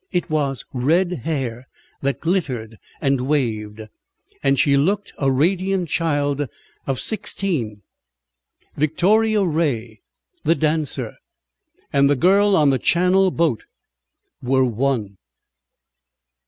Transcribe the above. It was red hair that glittered and waved, and she looked a radiant child of sixteen. Victoria Ray the dancer, and the girl on the Channel boat were one.